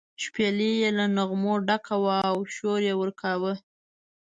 شپېلۍ یې له نغمو ډکه وه او شور یې ورکاوه.